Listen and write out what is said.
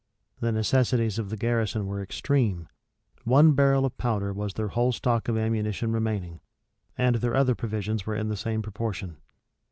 The necessities of the garrison were extreme. One barrel of powder was their whole stock of ammunition remaining; and their other provisions were in the same proportion.